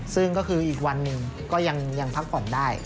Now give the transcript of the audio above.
ซึ่งก็คืออีกวันหนึ่งก็ยังพักผ่อนได้